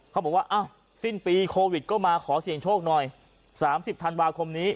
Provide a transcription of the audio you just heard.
เขาบอกว่าอ้าวสิ้นปีโควิดก็มาขอเสี่ยงโชคหน่อย๓๐ธันวาคมนี้